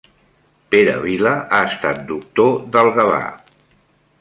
Pere Vila ha estat doctor del Gavà.